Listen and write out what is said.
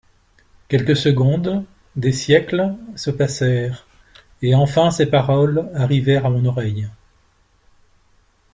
Quelques secondes, des siècles, se passèrent, et enfin ces paroles arrivèrent à mon oreille.